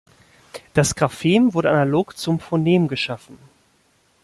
Das Graphem wurde analog zum Phonem geschaffen.